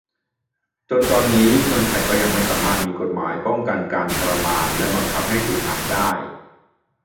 จนตอนนี้ เมืองไทยก็ยังไม่สามารถมีกฎหมายป้องกันการทรมานและการบังคับให้สูญหายได้